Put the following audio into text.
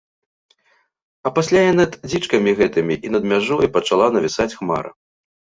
А пасля і над дзічкамі гэтымі і над мяжою пачала навісаць хмара.